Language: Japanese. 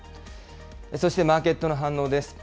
そしてマーケットの反応です。